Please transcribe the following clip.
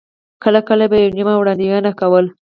کله کله به یې یوه نیمه وړاندوینه کوله.